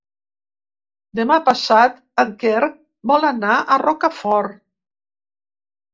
Demà passat en Quer vol anar a Rocafort.